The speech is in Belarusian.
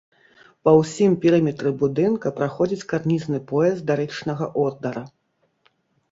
Па ўсім перыметры будынка праходзіць карнізны пояс дарычнага ордара.